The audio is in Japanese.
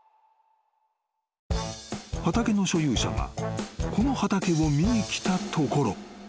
［畑の所有者がこの畑を見に来たところ］